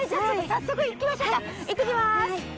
早速行きましょうかいってきます！